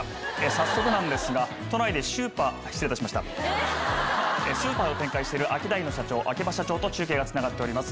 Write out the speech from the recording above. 早速なんですが都内でシューパー失礼いたしましたスーパーを展開しているアキダイの社長秋葉社長と中継がつながっております。